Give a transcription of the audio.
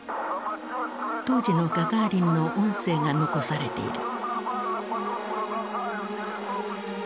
当時のガガーリンの音声が残されている。